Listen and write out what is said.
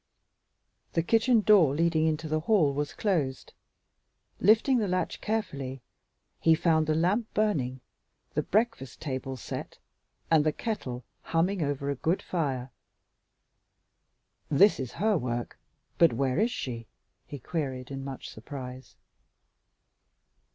The kitchen door leading into the hall was closed. Lifting the latch carefully, he found the lamp burning, the breakfast table set, and the kettle humming over a good fire. "This is her work, but where is she?" he queried in much surprise.